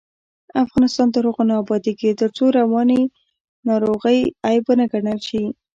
افغانستان تر هغو نه ابادیږي، ترڅو رواني ناروغۍ عیب ونه ګڼل شي.